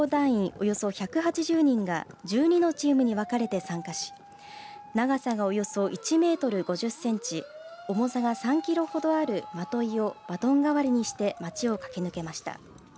およそ１８０人が１２のチームに分かれて参加し長さがおよそ１メートル５０センチ重さが３キロほどあるまといをバトン代わりにして町を駆け抜けました。